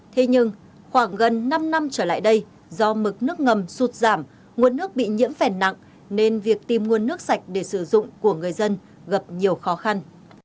thế nhưng khoảng gần năm năm trở lại đây do mực nước ngầm sụt giảm nguồn nước bị nhiễm phèn nặng nên việc tìm nguồn nước sạch để sử dụng của người dân gặp nhiều khó khăn